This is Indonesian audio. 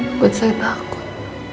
buat saya takut